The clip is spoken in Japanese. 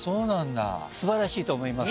素晴らしいと思います。